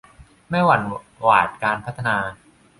ไม่หวั่นหวาดการพัฒนา